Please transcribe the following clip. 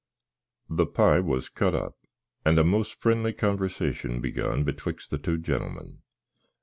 The pie was cut up, and a most frenly conversation begun betwixt the two genlmin.